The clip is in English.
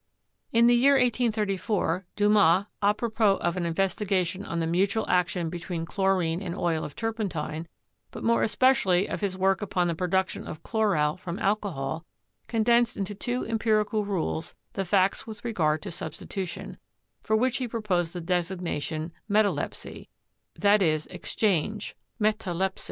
In the year 1834 Dumas, a propos of an investigation on the mutual action between chlorine and oil of turpentine, but more especially of his work upon the production of chloral from alcohol, condensed into two empirical rules the facts with regard to substitution, for which he pro posed the designation metalepsy (i.e., exchange, fiErak^ii).